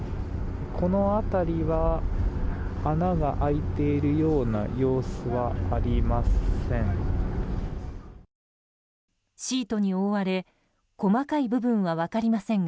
この辺りは穴が開いているような様子はありません。